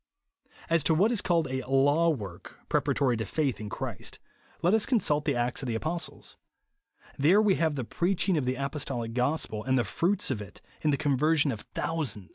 As to what is called a " law work," pre paratory to faith in Christ, let us consult the Acts of the Apostles. There we have the preaching of the apostolic gospel and the fruits of it, in the conversion of thousands.